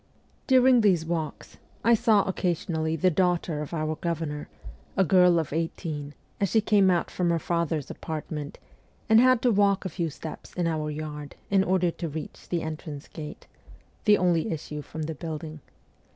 During these walks, I saw occasionally the daughter of our governor, a girl of eighteen, as she came out from her father's apartment and had to walk a few steps in our yard in order to reach the entrance gate the only issue from the building.